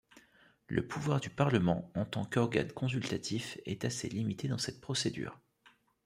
Le pouvoir du Parlement, en tant qu'organe consultatif, est assez limité dans cette procédure.